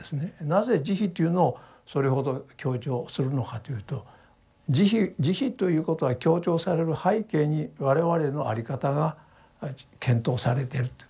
なぜ慈悲というのをそれほど強調するのかというと慈悲ということが強調される背景に我々の在り方が検討されていると。